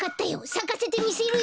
さかせてみせるよ！